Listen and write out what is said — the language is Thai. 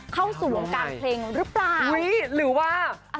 เข้าสู่วงการเพลงหรือเปล่าหรือว่า